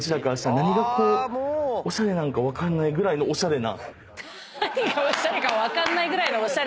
「何がおしゃれか分かんないぐらいのおしゃれ」って。